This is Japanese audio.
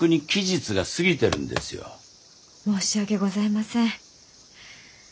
申し訳ございません。